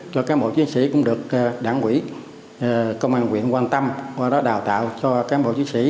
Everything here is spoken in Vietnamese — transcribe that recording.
cho cán bộ chiến sĩ cũng được đảng quỹ công an quyện quan tâm qua đó đào tạo cho cán bộ chiến sĩ